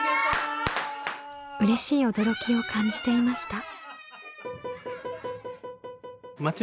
うれしい驚きを感じていました。